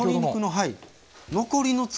はい。